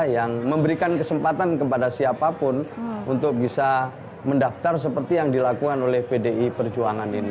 yang memberikan kesempatan kepada siapapun untuk bisa mendaftar seperti yang dilakukan oleh pdi perjuangan ini